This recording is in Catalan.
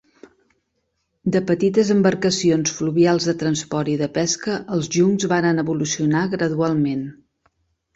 De petites embarcacions fluvials de transport i de pesca els juncs varen evolucionar gradualment.